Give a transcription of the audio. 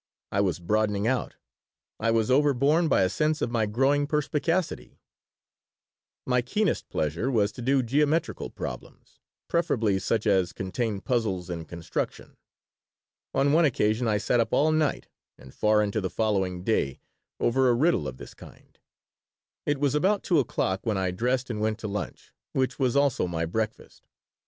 I was broadening out. I was overborne by a sense of my growing perspicacity My keenest pleasure was to do geometrical problems, preferably such as contained puzzles in construction. On one occasion I sat up all night and far into the following day over a riddle of this kind. It was about 2 o'clock when I dressed and went to lunch, which was also my breakfast.